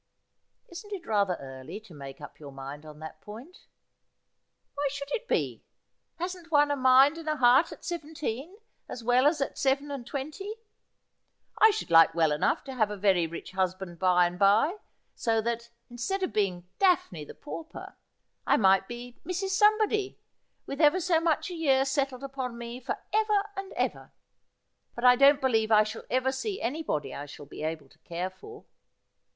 ' Isn't it rather early to make up your mind on that point ?'' Why should it be ? Hasn't one a mind and a heart at seven .teen as well as at seven and twenty ? I should like well enough to have a very rich husband by and by, so that, instead of being Daphne, the pauper, I might be Mrs. Somebody, with ever so much a year settled upon me for ever and ever. But I don't believe I shall ever see anybody I shall be able to care for.'